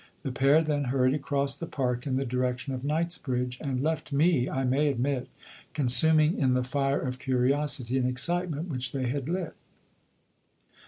The pair then hurried across the park in the direction of Knightsbridge, and left me, I may admit, consuming in the fire of curiosity and excitement which they had lit.